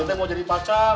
ini mau jadi pacar